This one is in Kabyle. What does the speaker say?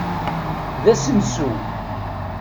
D asensu.